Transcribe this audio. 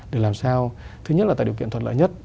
để làm sao thứ nhất là tạo điều kiện thuận lợi nhất